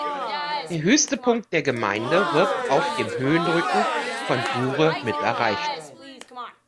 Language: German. Der höchste Punkt der Gemeinde wird auf dem Höhenrücken von Bure mit erreicht.